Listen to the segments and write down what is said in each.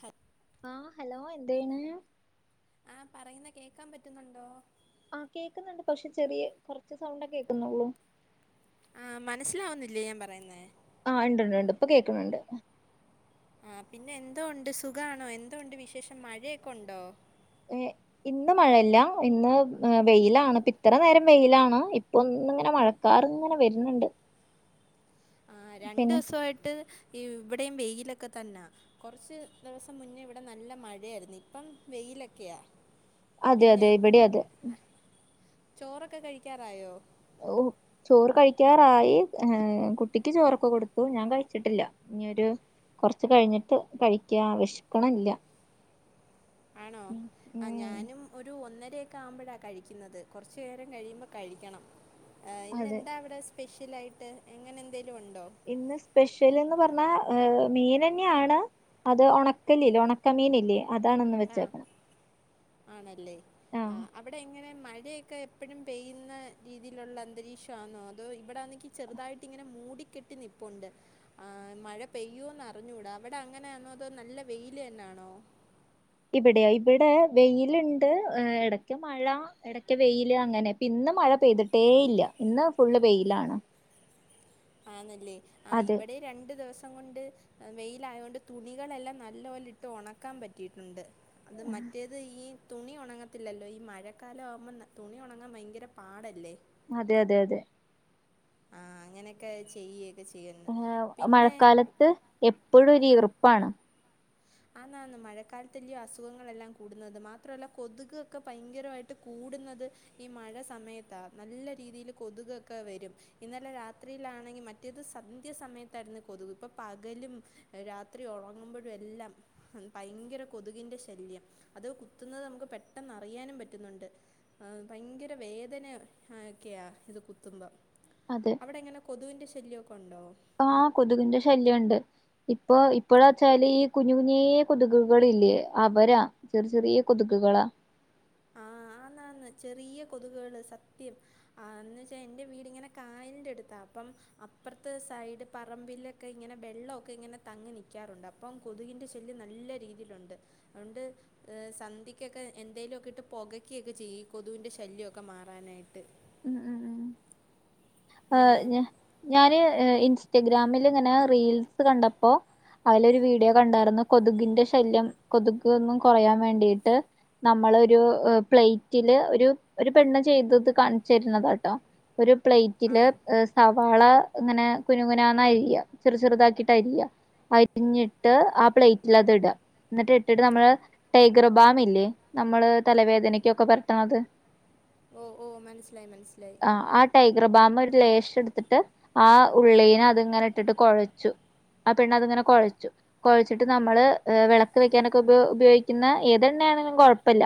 ഹത്ത് [unintelligible] ആ ഹലോ എന്തേനി ആഹ് പറയുന്ന കേൾക്കാൻ പറ്റുന്നുണ്ടോ ആഹ് കേൾക്കുന്നുണ്ട് പക്ഷെ ചെറിയ കുറച്ച് സൗണ്ട കേൾക്കുന്നുള്ളൂ ആഹ് മനസ്സിലാവുന്നില്ലേ ഞാൻ പറയുന്നേ ആഹ് ഉണ്ട് ഉണ്ട് ഇപ്പ കേൾക്കുന്നുണ്ട് ആ പിന്നെ എന്തുണ്ട് സുഖാണോ എന്തുണ്ട് വിശേഷം മഴയൊക്കെ ഉണ്ടോ ഏഹ് [inaudible] ഇന്ന് മഴയില്ല ഇന്ന് വെയിലാണ് ഇപ്പ ഇത്ര നേരം വെയിലാണ് ഇപ്പ ഒന്നിങ്ങനെ മഴ കാർ ഇങ്ങനെ വരുന്നുണ്ട് ആഹ്‌ രണ്ട് പിന്നെ ദിവസായിട്ട് ഈ ഇവിടെയും വെയിലൊക്കെ തന്നാ കുറച്ച് ദിവസം മുന്നേ ഇവിടെ നല്ല മഴയായിരുന്നു ഇപ്പം വെയിലൊക്കെയാ അതെ പിന്നെ അതെ ഉം ഇവിടെ അതെ ആഹ് ചോറൊക്കെ കഴിക്കാറായോ ഹോ ചോറ് കഴിക്കാറായി ഏഹ് കുട്ടിക്ക് ചോറൊക്കെ കൊടുത്തു ഞാൻ കഴിച്ചിട്ടില്ല ഇനിയൊരു കൊറച്ച് കഴിഞ്ഞിട്ട് കഴിക്കാ വെഷക്കണില്ല ആണോ ആഹ് ഉം ഞാനും ഒരു ഒന്നരയൊക്കെ ആവുമ്പോഴാണ് കഴിക്കുന്നത് കൊറച്ചു നേരം കഴിയുമ്പോ കഴിക്കണം. ഏഹ് അതെ ഇന്നെന്താ അവിടെ സ്പെഷ്യൽ ആയിട്ട് അങ്ങനെ എന്തേലും ഉണ്ടോ ഇന്ന് സ്പെഷ്യൽ എന്ന് പറഞ്ഞാ മീൻ തന്നെയാണ് അത് ഉണക്കലില്ലെ ഉണക്കമീനില്ലേ അതാണ്‌ ഇന്ന് വെച്ചേക്ക്ണ് ആണല്ലെ ആഹ് അപ്പൊ ഇവിടെ എങ്ങനെ മഴയൊക്കെ എപ്പഴും പെയ്യുന്ന രീതിയിലുള്ള അന്തരീക്ഷമാണോ അതോ ഇവിടെ വന്നിക്കി ചെറുതായിട്ട് ഇങ്ങനെ മൂടിക്കെട്ടി നിപ്പുണ്ട് ആഹ് മഴ പെയ്യോന്ന് അറിഞ്ഞൂട അവിടെ അങ്ങനെയാണോ അതോ നല്ല വെയിൽ തന്നൊയാണോ ഇവിടെയോ ഇവിടെ വെയിലുണ്ട് ഇടക്ക് മഴ ഇടക്ക് വെയിൽ അങ്ങനെ ഇന്ന് മഴ പെയ്തിട്ടേ ഇല്ല ഇന്ന് ഫുള്ള് വെയ്ലാണ് ആണല്ലെ ആ അതെ ഇവിടെ രണ്ടു ദിവസം കൊണ്ട് വെയിലയത് കൊണ്ട് തുണികളെല്ലാം നല്ലപോലെ ഇട്ട് ഉണക്കാൻ പറ്റിയിട്ടുണ്ട് അത് മറ്റേത് ഈ തുണി ഉണങ്ങത്തില്ലല്ലോ ഈ മഴക്കാല ആവുമ്പോം തുണി ഉണങ്ങാൻ ഭയങ്കര പാടല്ലേ അതെ അതെ അതെ ആഹ് അങ്ങനൊക്കെ ചെയ്യ് ഏഹ് മഴക്കാലത്ത് എപ്പഴും ഒരു ഈർപ്പാണ് ആന്ന് ആന്ന് മഴക്കാലത്തല്ലെ അസുഖങ്ങളെല്ലാം കൂടുന്നത് മാത്രല്ല കൊതുക് ഒക്കെ ഭയങ്കരമായി ഇട്ട് കൂടുന്നത് ഈ മഴ സമയത്താണ് നല്ല രീതിയിൽ കൊതുകൊക്കെ വരും ഇന്നലെ രാത്രിയിലാണെങ്കിൽ മറ്റേത് സന്ധ്യ സമയത്തായിരുന്നു കൊതുക് ഇപ്പോ പകലും രാത്രി ഉറങ്ങുമ്പോഴും എല്ലാം ഭയങ്കര കൊതുകിന്റെ ശല്യം അത് കുത്തുന്നത് നമുക്ക് പെട്ടെന്ന് അറിയാനും പറ്റുന്നുണ്ട് ആഹ് ഭയങ്കര വേദനയൊക്കെയാ ഇത് കുത്തുമ്പം അതെ അവിടെ എങ്ങനെ കൊതുവിൻന്റെ ശല്യക്കെ ഉണ്ടോ ആഹ് കൊതുകിന്റെ ശല്യം ഉണ്ട് ഇപ്പൊ ഇപ്പഴ വച്ചാല് ഈ കുഞ്ഞു കുഞ്ഞിയ കൊതുകുകളില്ലേ അവരാ ചെറിയ ചെറിയ കൊതുക് കളാ ആഹ് അന്നാണ് ചെറിയ കൊതുകള് സത്യം ആന്ന് വച്ചാ എന്റെ വീടിങ്ങനെ കായൽ ന്റെ അടുത്താ അപ്പം അപ്പുറത്തെ സൈഡ് പറമ്പിലൊക്കെ ഇങ്ങനെ വെള്ളമൊക്കെ ഇങ്ങനെ തങ്ങി നിൽക്കാറുണ്ട് അപ്പം അപ്പം കൊതുകിൻ്റെ ശല്യം നല്ല രീതിയിലുണ്ട് അതുകൊണ്ട് സന്ധിക്കൊക്കെ എന്തേങ്കിലുമൊക്കെ എന്നിട്ട് പുകക്കയൊക്കെ ചെയ്യും. കൊതുവിൻ്റെ ശല്യമൊക്കെ മാറാനായിട്ട്. ആ, ഞാാന് ഇൻസ്റ്റഗ്രാമിൽ ഇങ്ങനെ റീൽസ് കണ്ടപ്പോ അതിലൊരു വീഡിയോ കണ്ടായിരുന്നു. കൊതുകിന്റെ ശല്യം കൊതക് ഒന്നും കുറയാൻ വേണ്ടിട്ട് നമ്മളൊരു പ്ലേറ്റില് ഒരു ഒരു പെണ്ണ് ചെയ്തത് കാണിച് തരുന്നത കേട്ടോ. ഒരു പ്ലേറ്റില് ആണോ സവാള ഇങ്ങനെ കുനുകുന അരിയാ. ചെറു ചെറുതാക്കിട്ട് അരിയുക. അരിഞ്ഞിട്ട് ആ, പ്ലേറ്റിൽ അത് ഇടുക. എന്നിട്ട് ഇട്ടിട്ട് നമ്മള് ടൈഗർ ബാം ഇല്ലേ, നമ്മള് തലവേദനയ്ക്കൊക്കെ പരട്ടണത് ഓ ഓ, മനസ്സിലായി മനസ്സിലായി. ആ, ടൈഗർ ബാാം ഒരു ലേശ എടുത്തിട്ട് ആ ഉള്ളിനെ അതിങ്ങനെ ഇട്ടിട്ട് കുഴച്ചു. ആ, പെണ്ണ് അത്ങ്ങനെ കൊഴച്ചു. കുഴച്ചിട്ട് നമ്മള് വിളക്ക് വെക്കാനൊക്കെ ഉ ഉപയോഗിക്കുന്ന ഏതെണ്ണ ആണെങ്കിലും കുഴപ്പമില്ല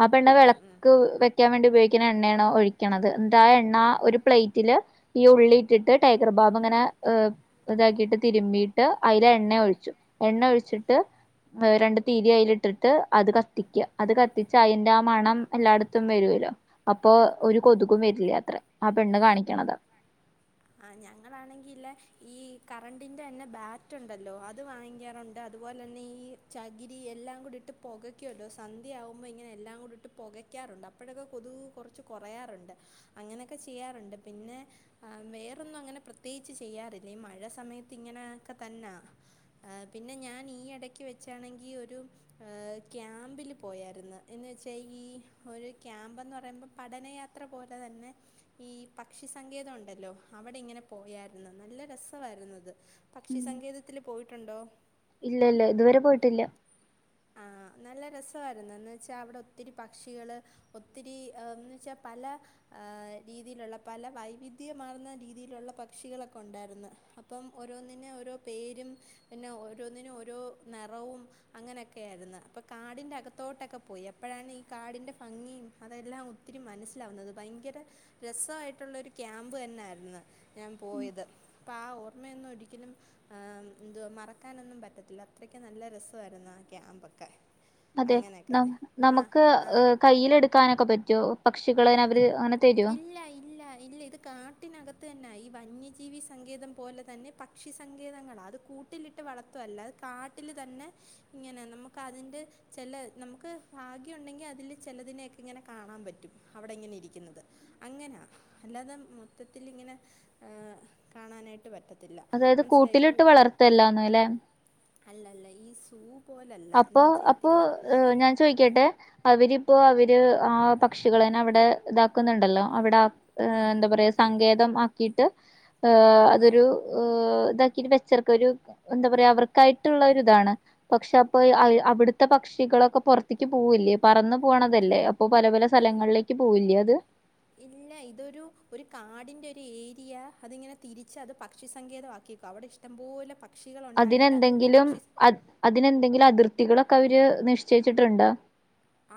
ആ, പെണ്ണ് ഉം, ഉം. വിളക്ക് വെക്കാൻ വേണ്ടി ഉപയോഗിക്കുന്ന എണ്ണയാണ് ഒഴിക്കണന്നത്. എന്നിട്ട് ആ എണ്ണ ഒരു പ്ലേറ്റില് ഈ ഉള്ളിട്ടിട്ട് ടൈഗർ ബാബ്ങ്ങനെ ഇതാക്കിട്ട് തിരുമ്പിയിട്ട് അതിൽ എണ്ണ ഒഴിച്ചു. എണ്ണ ഒഴിച്ചിട്ട് രണ്ട് തീരി അയിൽ ഇട്ടിട്ട് അത് കത്തിക്ക. അത് കത്തിച്ച അതിന്റെ ആ മണം എല്ലായിടത്തും വരുൂല്ലോ. അപ്പൊ ഒരു കൊതുകും വരില്ല ത്ര. ആ പെണ്ണ് കാണിക്കണത്. ആ, ഞങ്ങളാണെങ്കിൽല്ല ഈ കറണ്ടിന്റെ തന്നെ ബാറ്റ് ഉണ്ടല്ലോ അത് വാങ്ങിക്കാറുണ്ട്. അതുപോലെ തന്നെ ഈ ചകിരി എല്ലാം കൂടിയിട്ട് പുകയ്ക്കുല്ലോ, സന്ധ്യയാകുമ്പോ ഇങ്ങനെ എല്ലാം കൂടിയിട്ട് പുകയ് പുകയ്ക്കറുണ്ട് അപ്പോഴൊക്കെ കൊതു കുറച്ച് കുറയാറുണ്ട്. അങ്ങനെയൊക്കെ ചെയ്യാറുണ്ട് പിന്നെ ആ, വേറൊന്നും അങ്ങനെ പ്രത്യേകിച്ച് ചെയ്യാറില്ല. ഈ മഴ സമയത്ത് ഇങ്ങനെയൊക്കെ തന്നാ പിന്നെ ഞാൻ ഈ ഇടയ്ക്ക് വെച്ചാണെങ്കിൽ ഒരു ക്യാമ്പില് പോയായിരുന്നു. എന്ന് വെച്ചാൽ ഈ ഒരു ക്യാമ്പന്ന് പറയുമ്പോൾ പഠനയാ പഠനയാത്ര പോലെ തന്നെ ഈ പക്ഷിസങ്കേതം ഉണ്ട ഉണ്ടല്ലോ അവിടെ ഇങ്ങനെ പോയായിരുന്നു. നല്ല രസമായിരുന്നു അത്. പക്ഷി സങ്കേതത്തിൽ പോയിട്ടുണ്ടോ? ഇല്ല ഇല്ല ഇതുവരെ പോയിട്ടില്ല. ആ, നല്ല രസമായിരുന്നു. എന്നു വെച്ചാൽ അവിടെ ഒത്തിരി പക്ഷികൾ ഒത്തിരി എന്ന് വെച്ചാ പല ആ രീതിയിലുള്ള പല വൈവിധ്യമാർന്ന രീതിയിലുള്ള പക്ഷികളൊക്കെ ഉണ്ടായിരുന്നു. അപ്പം ഓരോന്നിന് ഓരോ പേരും പിന്നെ ഓരോന്നിനും ഓരോ നിറവും അങ്ങനെയൊക്കെ ഒക്കെയ ആയിരുന്നു. അപ്പോൾ കാടിൻ്റെ അകത്തോട്ടൊക്കെ പോയി എപ്പോഴാണ് ഈ കാടിൻ്റെ ഭംഗിയും അതെല്ലാം ഒത്തിരി മനസ്സിലാവുന്നത് ഭയങ്കര രസമായിട്ടുള്ള ഒരു ക്യാമ്പ് തന്നെയായിരുന്നു. ഞാൻ പോയത്. അപ്പ ആ ഓർമ്മ ഒന്നും ഒരിക്കലും ആ, എന്തു വാ മറക്കാനൊന്നും പറ്റത്തില്ല. അത്രക്ക് നല്ല രസമായിരുന്നു. ആ ക്യാമ്പൊക്കെ അതെ ന അങ്ങനെയൊക്കെ ആ നമുക്ക് ആ കൈൽ എടുക്കാനൊക്കെ പറ്റുമോ? പക്ഷികൾ അനെ അവര് അങ്ങനെ തരുമോ? ഇല്ല ഇല്ല ഇല്ല, ഇത്. കാട്ടിനകത്ത് തന്നെ ഈ വന്യജീവി സങ്കേതം പോലെ തന്നെ പക്ഷിസങ്കേതങ്ങള അത് കൂട്ട കുട്ടിലിട്ട് വളർത്തല്ല. അത് കാട്ടിൽ തന്നെ ഇങ്ങനെ നമുക്ക് അതിന്റെ ചില നമുക്ക് ഭാഗ്യം ഉണ്ടെങ്കിൽ അതിൽ ചിലതിനെയൊക്കെ ഇങ്ങനെ കാണാൻ പറ്റും. അവിടെ ഇങ്ങനെ ഇരിക്കുന്നത്. അങ്ങനാ അല്ലാതെ മൊത്തത്തിൽ ഇങ്ങനെ ഏ, കാണാനായിട്ട് പറ്റത്ത അതായത് കൂട്ടിലിട്ട് വളർത്തല്ലന്ന അല്ലെ. അല്ല അല്ല ഈ സൂ പോലയല്ല. എന്ന് വെച്ച തിരു ഉം ഞാൻ ചോദിക്കട്ടെ അവരിപ്പോ അവർ ആ പക്ഷികളന്നെ അവിടെ ഇതാക്കുന്നുണ്ടല്ലോ അവിടെ ഹ ആഹ് എന്താ പറയാ ആഹ് സങ്കേതം ആക്കിയിട്ട് ഏ ആഹ് അതൊരു ഇതാക്കിട്ട് വെച്ചർക്കേ ഒരു എന്താ പറയാ അവർക്കായിട്ടുള്ള ഒരു ഇതാണ് പക്ഷെ ഇപ്പൊ അവിടുത്തെ പക്ഷികളൊക്കെ പുറത്തേക്ക് പോവില്ലേ പറന്നു പോകണതല്ലേ അപ്പൊ പല പല സ്ഥലങ്ങളിലേക്ക് പോവില്ലേ അത് ഇല്ല ഇതൊരു ഒരു കാടിന്റെ ഒരു ഏരിയ അതിങ്ങനെ തിരിച്ച് അത് പക്ഷിസങ്കേതമാക്കിക്കും അവിടെ ഇഷ്ട ഇഷ്‌ടംപോലെ അതിനെന്തെങ്കിലും അ അതിനെന്തെങ്കിലും അതിർത്തികളൊക്കെ അവർ നിശ്ചയിച്ചിട്ടുണ്ടോ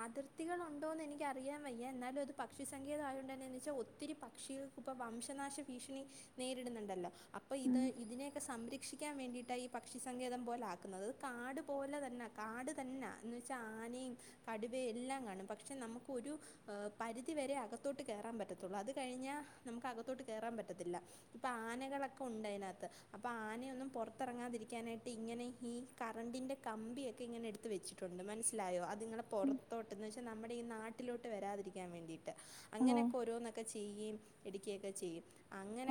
അതിർത്തികൾ ഉണ്ടോ എന്ന് എനിക്കറിയാൻ വയ്യ എന്നാൽ അത് പക്ഷിസങ്കേതമായോണ്ടെന്നന്ന് വെച്ചാൽ ഒത്തിരി പക്ഷികൾക്ക് ഇപ്പ വംശനാശ ഭീഷണി നേരിടുന്നുണ്ടല്ലോ അപ്പൊ ഇത് ഉം ഇതിനെയൊക്കെ സംരക്ഷിക്ക ക്കാൻ വേണ്ടിട്ടാ ഈ പക്ഷിസങ്കേതം പോലെ ആക്കുന്നത് കാട് പോലെ തന്നെ കാട് തന്നെ എന്ന് വെച്ചാൽ ആനയും കടുവയെല്ലാം കാണും പക്ഷെ നമുക്കൊരു പരിധിവരെ അകത്തോട്ട് കയറാൻ പറ്റത്തുള്ളൂ അത് കഴിഞ്ഞാൽ നമുക്ക് അകത്തോട്ട് കയറാൻ പറ്റത്തില്ല. ഇപ്പൊ ആനകളൊക്കെ ഉണ്ട് അതിനകത്ത് അപ്പൊ ആനയൊന്നും പുറത്തിറങ്ങാതിരിക്കാനായിട്ട് ഇങ്ങനെ ഈ കറണ്ടിൻ്റെ കമ്പിയൊക്കെ ഇങ്ങനെ എടുത്ത് വെച്ചിട്ടുണ്ട് മനസ്സിലായോ അതിങ്ങളെ ഉം പുറത്തോട്ട് എന്ന് വെച്ചാൽ നമ്മുടെ ഈ നാട്ടിലോട്ട് വരാതിരിക്കാൻ വേണ്ടിയിട്ട് ഓ അങ്ങനെയൊക്കെ ഓരോന്നൊക്കെ ചെയ്യുകയും ഇടുക്കുകയൊക്കെ ചെയ്യും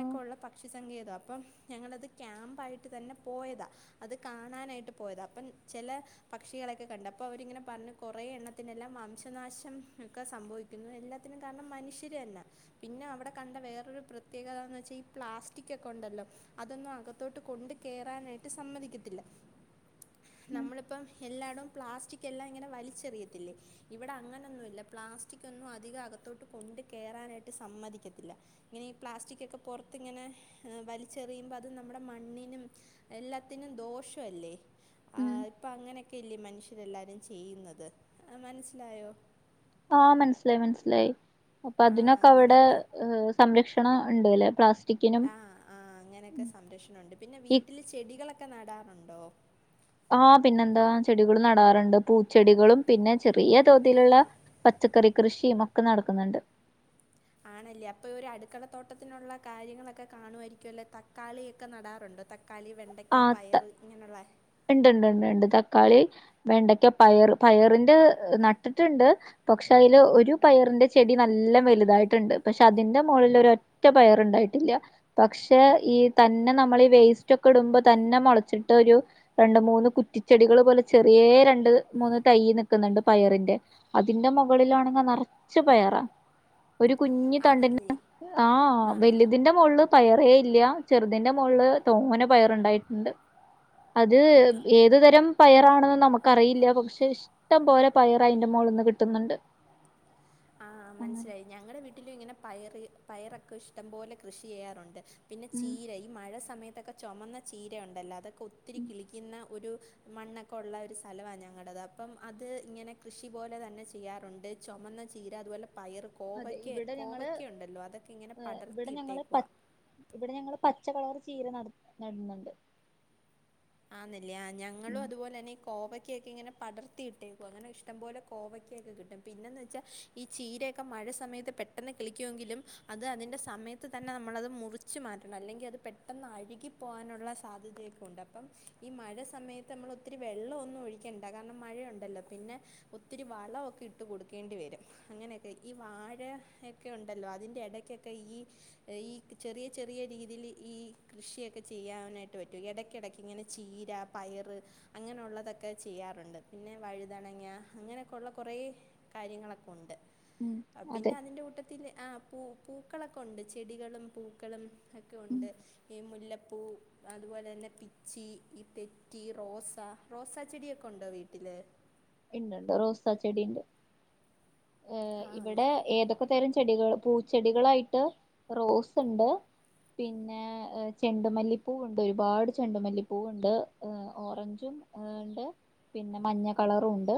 ഓ ഉള്ള പക്ഷിസങ്കേതം അപ്പം ഞങ്ങളത് ക്യാമ്പായിട്ട് തന്നെ പോയതാ അത് കാണാനായിട്ട് പോയതാ അപ്പം ചില പക്ഷികളൊക്കെ കണ്ട് അപ്പൊ അവരിങ്ങനെ പറഞ്ഞ് കുറേ എണ്ണത്തിനെല്ലാം വംശനാശം ഒക്കെ സംഭവിക്കുന്നു എല്ലാത്തിനും കാരണം മനുഷ്യർ തന്നെയാ പിന്നെ അവിടെ കണ്ട വേറൊരു പ്രത്യേകതന്ന് വെച്ചാൽ ഈ പ്ലാസ്റ്റിക് ഒക്കെ ഉണ്ടല്ലോ അതൊന്നും അകത്തോട്ട് കൊണ്ട് കയറാനായിട്ട് സമ്മതിക്കത്തില്ല ഉം നമ്മളിപ്പം എല്ലായിടും പ്ലാസ്റ്റിക് എല്ലാം ഇങ്ങനെ വലി എറിയത്തില്ലേ ഇവിടെ അങ്ങനൊന്നുമില്ല പ്ലാസ്റ്റിക് ഒന്നും അധികം അകത്തോട്ട് കൊണ്ട് കേയറാനായിട്ട് സമ്മതിക്കത്തില്ല ഇങ്ങനെ ഈ പ്ലാസ്റ്റിക്കൊക്കെ പുറത്തിങ്ങനെ വലിച്ചെറിയുമ്പോൾ അത് നമ്മുടെ മണ്ണിനും എല്ലാത്തിനും ദോഷമല്ലേ ഉം അപ്പ അങ്ങനെയൊക്കെ അല്ലേ മനുഷ്യരെല്ലാവാരും ചെയ്യുന്നത് മനസ്സിലായോ ആ മനസ്സിലായി മനസ്സിലായി അപ്പൊ ആ അതിനൊക്കെ അവിടെ അങ്ങനെയൊക്കെ സംരക്ഷണം ഉണ്ട് അല്ലെ പ്ലാസ്റ്റിക്കിനും ആ ആ അങ്ങനെയൊക്കെ സംരക്ഷണമുണ്ട് പിന്നെ ഈ വീട്ടിൽ ചെടികളൊക്കെ നടാറുണ്ടോ ആ പിന്നെന്താ ചെടികൾ നടാറുണ്ട് പൂച്ചെടികളും പിന്നെ ചെറിയ തോതിലുള്ള പച്ചക്കറി കൃഷിയും ഒക്കെ നടക്കുന്നുണ്ട്. ആണല്ലേ അപ്പൊ ഒരു അടുക്കള തോട്ടത്തിനുള്ള കാര്യങ്ങളൊക്കെ കാണുമായിയിരിക്കും അല്ലേ തക്കാളിയൊക്കെ നടാറുണ്ടോ തക്കാളി വെണ്ടയ്ക്ക പയർ ഇങ്ങനെയുള്ള ഉണ്ട് ഉണ്ട് ഉണ്ട് തക്കാളി വെണ്ടയ്ക്ക പയർ പയറിന്റെ നട്ടിട്ടുണ്ട് പക്ഷെ അതിൽ ഒരു പയറിന്റെ ചെടി നല്ല വലുതായിട്ടുണ്ട് പക്ഷെ അതിന്റെ മുകളിൽ ഒരു ഒറ്റ പയറുണ്ടായിട്ടില്ല പക്ഷെ ഈ തന്നെ നമ്മൾ ഈ വേസ്റ്റ് ഒക്കെ ഇടുമ്പോ തന്നെ മുളച്ചിട്ട് ഒരു രണ്ട് മൂന്ന് കുറ്റിച്ചെടികൾ പോലെ ചെറിയ രണ്ട് മൂന്ന് തൈ നിൽക്കുന്നുണ്ട് പയറിന്റെ അതിന്റെ മുകളിലാണെങ്കിൽ നിറച്ച് പയറാ ഒരു കുഞ്ഞി തണ്ടിൻ്റെ ആന്നല്ലേ ആ വലുതിന്റെ മുകളിൽ പയറേ ഇല്ല ചെറുതിന്റെ മുകളിൻ തോനേ പയറുണ്ടായിട്ടുണ്ട്. അത് ഏത് തരം പയറാണെന്ന് നമുക്കറിയില്ല പക്ഷെ ഇഷ്ട പോലെ പോലെ പയർ അതിന്റെ മോലിൽ നിന്ന് കിട്ടുന്നുണ്ട്. ആഹ് അങ്ങനെ മനസ്സിലായി ഞങ്ങളുടെ വീട്ടിലും ഇങ്ങനെ പയർ പയറൊക്കെ ഇഷ്ടം പോലെ കൃഷി ചെയ്യാറുണ്ട്. പിന്നെ ഉം ചീര ഈ മഴ സമയത്തൊക്കെ ചുമന്ന ചീര ഉണ്ടല്ലോ അതൊക്കെ ഒത്തിരി ഉം കിളിക്കുന്ന ഒരു മണ്ണൊക്കെ ഉള്ള ഒരു സ്ഥല വാ ഞങ്ങടത്. അപ്പം അത് ഇങ്ങനെ കൃഷി പോലെ തന്നെ ചെയ്യാറുണ്ട്. ചൊമന്ന ചീര അതുപോലെ, പയറ്, അതെ കോവയ്ക്ക ഇവിടെ ഞങ്ങള് കോവയ്ക്ക, ഉണ്ടല്ലോ അതൊക്കെ ഇങ്ങനെ ഇവിടെ ഞങ്ങള് പ പടർത്തിയിട്ടേക്കുവാ ഇവിടെ ഞങ്ങള് പച്ചക്കളർ ചീര നട നടുന്നുണ്ട്. ആന്നല്ലേ, ആ ഞങ്ങളും ഉം അതുപോലെ തന്നെ കോവയ്ക്കൊക്കെ ഇങ്ങനെ പടർത്തി ഇട്ടേക്കുവാ. അങ്ങനെ ഇഷ്ടം പോലെ കോവയ്ക്കൊക്കെ കിട്ടും. പിനെന്ന് വെച്ചാൽ ഈ ചീരയൊക്കെ മഴ സമയത്ത് പെട്ടെന്ന് കിളിക്കുമെങ്കിലും. അത് അതിൻ്റെ സമയത്ത് തന്നെ നമ്മളത് മുറിച്ച് ച്ചു മാറ്റണം. അല്ലെങ്കിൽ അത് പെട്ടെന്ന് അഴുകി പോകാനുള്ള സാധ്യതയൊക്കെ ഉണ്ട്. അപ്പം. ഈ മഴ സമയത്ത് നമ്മൾ ഒത്തിരി വെള്ളം ഒന്നും ഒഴിക്കണ്ട. കാരണം മഴയുണ്ടല്ലോ. പിന്നെ, ഒത്തിരി വളവൊക്കെ ഇട്ട് കൊടുക്കേണ്ടി വരും. അങ്ങനെയൊക്കെ. ഈ വാഴയൊക്കെ ഉണ്ടല്ലോ അതിൻ്റെ ഇടയ്ക്കൊക്കെ ക്കെ, ഈ ഈ ചെറിയ ചെറിയ രീതിയിൽ. ഈ കൃഷിയൊക്കെ ചെയ്യാനായിട്ട് പറ്റും. എടക്കിട ക്ക് ഇങ്ങനെ ചീര പയറ് അങ്ങനുള്ളതൊക്കെ ചെയ്യാറുണ്ട്. പിന്നെ വഴുതനങ്ങ അങ്ങനെയൊക്കെ ഉള്ള കുറേ കാര്യങ്ങളൊക്കെ ഉണ്ട്. ഉം പിന്നെ അതെ അതിൻ്റെ കൂട്ട ത്തിൽ, ആ പൂ പൂക്കളൊക്കെ ഉണ്ട്. ചെടികളും, പൂക്കളും, ഒക്കെ ഉം ഉണ്ട്. ഈ മുല്ലപ്പൂ, അതുപോലെ തന്നെ പി ച്ചീ ഈ തെറ്റി റോസ. റോസാ ചെടിയൊക്കെ ഉണ്ടോ വീട്ടില് ഇണ്ട് ണ്ട് റോസാ ചെടി ണ്ട്. ഏഹ് ആ ഇവിടെ ഏതൊക്കെ തരം ചെടികൾ പൂച്ചെടികളായിട്ട് റോസ് ഉണ്ട്. പിന്നെ ചെണ്ടുമല്ലിപ്പൂവ് ഉണ്ട്. ഒരുപാട് ചെണ്ടുമല്ലിപ്പൂവ് ഉണ്ട്. ഓറഞ്ചും ഉണ്ട് പിന്നെ മഞ്ഞ കളറുണ്ട്.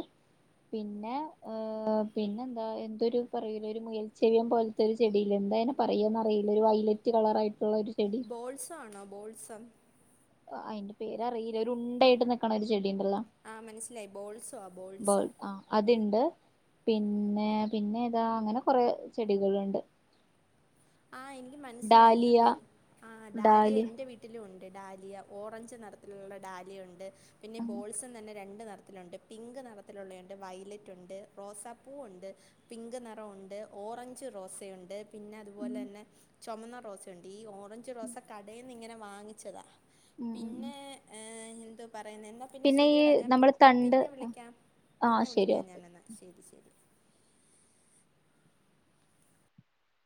പിന്നെ ഏഹ് പിന്നെ എന്താ. എന്തൊരു പറയൂലെ ഒരു മുയൽച്ചെവിയൻ പോല്ത്തെ ഒരു ചെടിയി ല്ലെ എന്താ അയിൻ പറയാന്നറിയില്ല ഒരു വൈലറ്റ് കളറയിട്ട്. ഉള്ള ഒരു ചെടി ബോൾസോ ആണോ ബോൾസം അതിന്റെ പേരറിയില്ല ഒരു ഉണ്ടായിട്ട് നിക്കണ ഒരു ചെടിണ്ടല്ലോ. ആഹ് മനസ്സിലായി. ബോൾസോ ബേൾ ബോൾസം ആ അതിണ്ട് പിന്നെ പിന്നെ ഏതാ. അങ്ങനെ കൊറെ ചെടികള് ണ്ട്. ആഹ് ഇൻക്ക് മനസ്സിലായി. ഈ ഡാലിയ ബോ, ആ ഡാലിയ ന്റെ വീ ട്ടിലു ഉണ്ട് ഡാലിയ ഓറഞ്ച് നിറത്തിലുള്ള ഡാലിയ ഉണ്ട്. പിന്നെ ഉം ബോൾസൻ തന്നെ രണ്ട് നെറത്തിലു ഉണ്ട്. പിങ്ക് നിറത്തിലുള്ള ഉണ്ട്. വൈലറ്റ് ഉണ്ട്. റോസാപ്പൂവ് ഉണ്ട്. പിങ്ക് നിറ ഉണ്ട്. ഓറഞ്ച് റോസയുണ്ട്. പിന്നെ അ ഉം അതുപോലെ തന്നെ. ചുമന്ന റോസയുണ്ട്. ഈ ഓറഞ്ച് റോസ കടയിൽന്ന് ഇങ്ങനെ വാങ്ങിച്ചതാ. ഉം ഉം പിന്നെ, എഹ് എന്ത് പറയുന്നേ പിന്നെ ഈ ശരിയാടാ. ഞാൻ പി നമ്മള് തണ്ട് പിന്നെ വിളിക്കാം. ആ പിന്നെ ശരി വിളിക്കാം ഓക്കെ ഞാൻ എന്നാ ശരി ശരി.